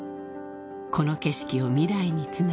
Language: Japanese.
［この景色を未来につなぐ］